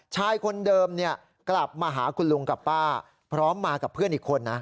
ชายคนเดิมเนี่ยกลับมาหาคุณลุงกับป้าพร้อมมากับเพื่อนอีกคนนะ